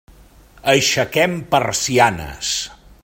Aixequem persianes.